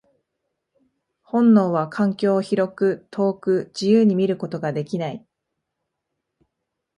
本能は環境を広く、遠く、自由に見ることができない。